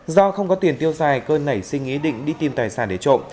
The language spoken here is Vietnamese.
do không có tiền tiêu xài cơ nảy sinh ý định đi tìm tài sản để trộm